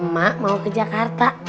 ma mau ke jakarta